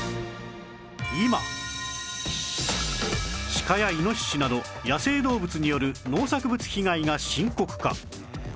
シカやイノシシなど野生動物による農作物被害が深刻化